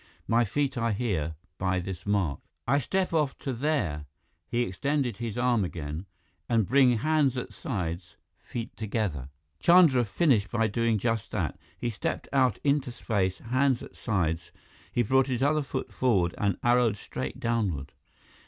"My feet are here, by this mark. I step off to there" he extended his arm again "and bring hands at sides, feet together...." Chandra finished by doing just that. He stepped out into space, hands at sides, brought his other foot forward and arrowed straight downward!